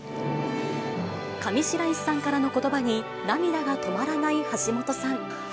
上白石さんからのことばに、涙が止まらない橋本さん。